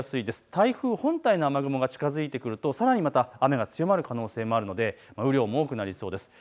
台風本体の雨雲が近づいてくるとさらにまた雨が強まる可能性もあるので雨量も多くなりそうです。